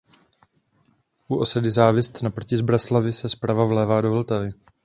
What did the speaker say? U osady Závist naproti Zbraslavi se zprava vlévá do Vltavy.